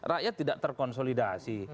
rakyat tidak terkonsolidasi